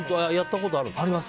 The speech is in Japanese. あります。